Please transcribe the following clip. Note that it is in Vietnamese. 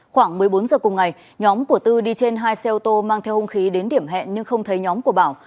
khoảng một mươi bốn h cùng ngày nhóm của tư đi trên hai xe ô tô mang theo hung khí đến điểm hẹn nhưng không thấy nhóm của bảo